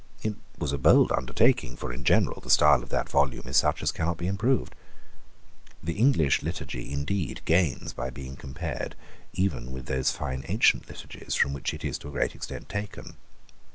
It was a bold undertaking; for in general the style of that volume is such as cannot be improved. The English Liturgy indeed gains by being compared even with those fine ancient Liturgies from which it is to a great extent taken.